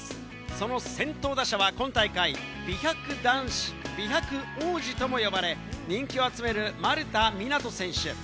その先頭打者は今大会、美白男子、美白王子とも呼ばれ、人気を集める丸田湊斗選手。